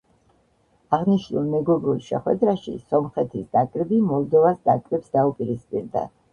აღნიშნულ მეგობრულ შეხვედრაში სომხეთის ნაკრები მოლდოვას ნაკრებს დაუპირისპირდა.